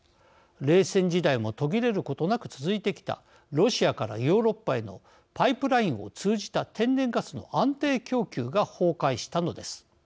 冷戦時代も途切れることなく続いてきたロシアからヨーロッパへのパイプラインを通じた天然ガスの安定供給が崩壊したのです。